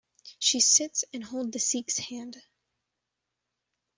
She sits and holds the Sheik's hand.